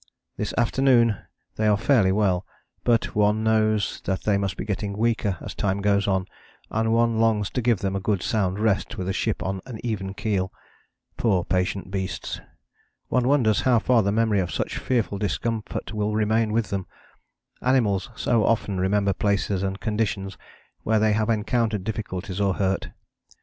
This afternoon they are fairly well, but one knows that they must be getting weaker as time goes on, and one longs to give them a good sound rest with a ship on an even keel. Poor patient beasts! One wonders how far the memory of such fearful discomfort will remain with them animals so often remember places and conditions where they have encountered difficulties or hurt.